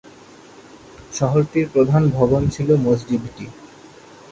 শহরটির প্রধান ভবন ছিল মসজিদটি।